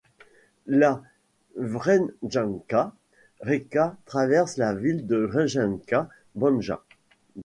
La Vrnjačka reka traverse la ville de Vrnjačka Banja.